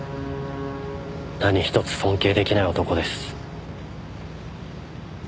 何一つ尊敬できない男です。